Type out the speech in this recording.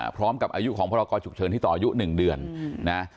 พร้อมกับอายุของพรกรฉุกเฉินที่ต่ออายุ๑เดือนนะ